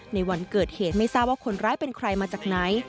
ในวันเกิดเหตุไม่ทราบว่าคนร้ายเป็นใครมาจากไหน